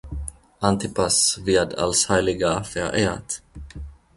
Antipas wird als Heiliger verehrt.